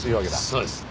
そうですね。